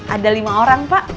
ada lima orang pak